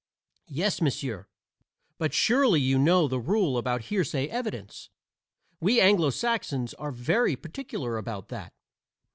Yes, monsieur, but surely you know the rule about hearsay evidence. We Anglo Saxons are very particular about that.